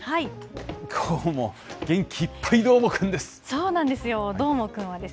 きょうも元気いっぱい、どーもくんです。